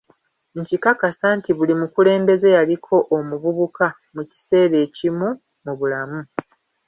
Nkikakasa nti buli mukulembeze yaliko omuvubuka mu kiseera ekimu bulamu.